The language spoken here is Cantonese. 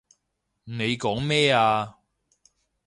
你講咩啊？